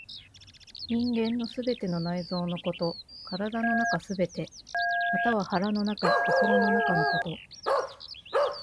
人間の全ての内臓のこと、体の中すべて、または腹の中、心の中のこと。